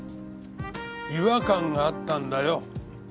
違和感があったんだよ。